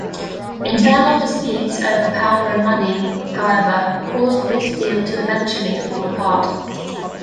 Internal disputes over power and money, however, caused this deal to eventually fall apart.